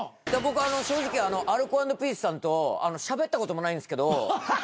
僕正直アルコ＆ピースさんとしゃべったこともないんすけど。